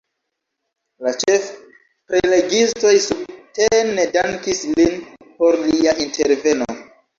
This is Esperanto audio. La ĉefprelegistoj subtene dankis lin por lia interveno.